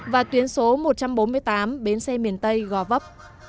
và tuyến số một trăm bốn mươi tám bến xe miền tây gò vấp